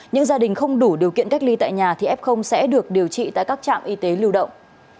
những gia đình không đủ điều kiện cách ly tại nhà thì f sẽ được điều trị tại các trạm y tế lưu động